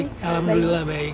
baik baik alhamdulillah baik